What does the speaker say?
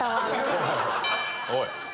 おい！